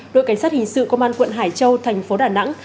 đội cảnh sát hình sự công an quận hải châu thành phố đà nẵng